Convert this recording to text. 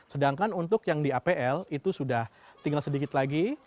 sedangkan untuk yang di apl itu sudah tinggal sedikit lagi